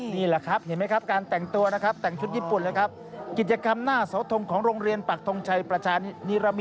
นี่แหละครับเห็นไหมครับการแต่งตัวนะครับ